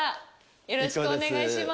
よろしくお願いします。